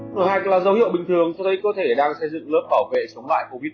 nổi hạch là dấu hiệu bình thường cho thấy cơ thể đang xây dựng lớp bảo vệ sống lại covid một mươi chín